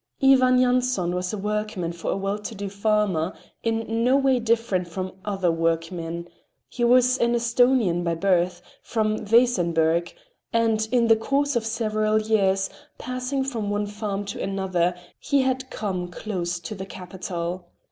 Ivan Yanson was a workman for a well to do farmer, in no way different from other workmen. He was an Esthonian by birth, from Vezenberg, and in the course of several years, passing from one farm to another, he had come close to the capital.